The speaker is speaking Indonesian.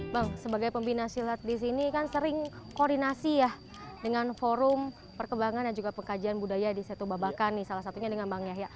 bang sebagai pembina silat di sini kan sering koordinasi ya dengan forum perkembangan dan juga pengkajian budaya di setubabakan nih salah satunya dengan bang yahya